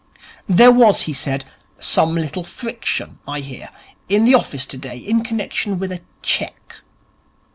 'There was,' he said, 'some little friction, I hear, in the office today in connection with a cheque.'